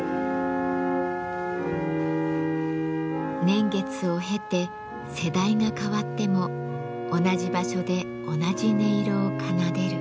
年月を経て世代が変わっても同じ場所で同じ音色を奏でる。